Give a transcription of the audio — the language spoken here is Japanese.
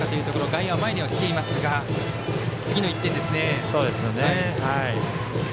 外野、前には来ていますが次の１点ですね。